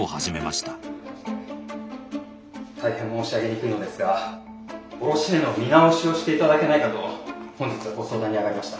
大変申し上げにくいのですが卸値の見直しをしていただけないかと本日はご相談にあがりました。